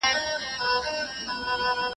انټرنیټ د روغتیا په برخه کي څه مرسته کوي؟